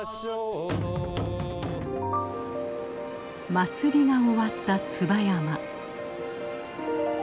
祭りが終わった椿山。